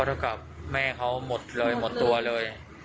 เท่ากับแม่เขาหมดเลยหมดตัวเลย